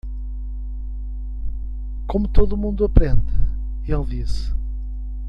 "Como todo mundo aprende?" ele disse.